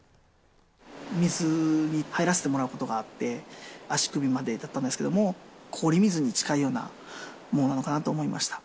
水に入らせてもらうことがあって、足首までだったんですけども、氷水に近いようなものなのかなと思いました。